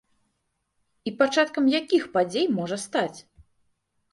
І пачаткам якіх падзей можа стаць?